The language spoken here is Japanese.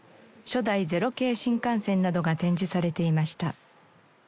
初代０系新幹線などが展示されていました。